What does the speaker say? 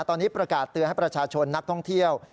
ตอนนี้ประกาศเตือนให้ประชาชนนักท่องเที่ยว